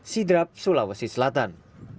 sidrap sulawesi selatan